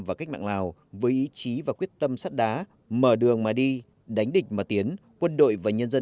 và cách mạng lào với ý chí và quyết tâm sắt đá mở đường mà đi đánh địch mà tiến quân đội và nhân dân